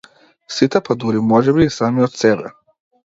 Сите па дури можеби и самиот себе.